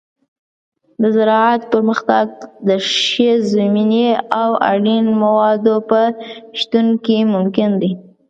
د زراعت پرمختګ د ښې زمینې او اړین موادو په شتون کې ممکن دی.